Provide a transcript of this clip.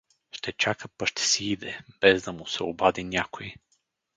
Ще чака, па ще си иде, без да му се обади някой.